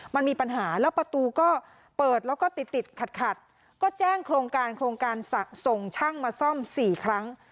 มันมีปัญหาแล้วประตูก็เปิดแล้วก็ติดติดขัดขัดก็แจ้งโครงการโครงการส่งช่างมาซ่อม๔ครั้ง